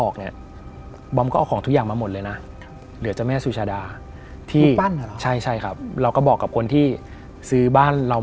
ก็เลยมาหาซื้อบ้าน